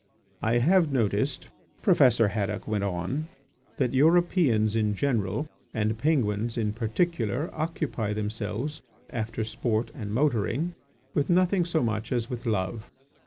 "I have noticed," Professor Haddock went on, "that Europeans in general and Penguins in particular occupy themselves, after sport and motoring, with nothing so much as with love.